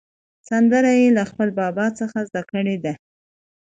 سندره یې له خپل بابا څخه زده کړې ده.